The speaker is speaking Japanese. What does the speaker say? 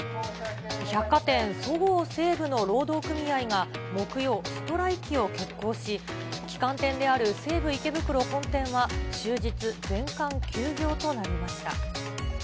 百貨店、そごう・西武の労働組合が木曜、ストライキを決行し、旗艦店である西武池袋本店は、終日、全館休業となりました。